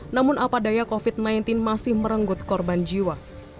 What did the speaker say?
namun apadaya covid sembilan belas masih merenggut korban jiwa